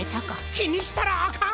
きにしたらあかん！